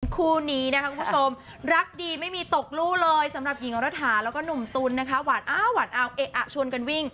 คู่นี้นะคะคุณผู้ชมรักดีไม่มีตกลู่เลยสำหรับหญิงรัฐาแล้วก็หนุ่มตุ๋นนะคะหวานอ้าวหวานเอาเอ๊ะอ่ะชวนกันวิ่ง